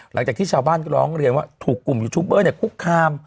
หลังจากที่ชาวบ้านก็ร้องเรียนว่าถูกกลุ่มยูทูบเบอร์คุกคาม